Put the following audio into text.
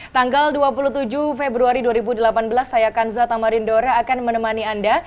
tanggal dua puluh tujuh februari dua ribu delapan belas saya kanza tamarindora akan menemani anda